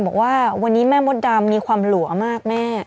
บอกว่าวันนี้แม่มดดำมีความหลัวมากแม่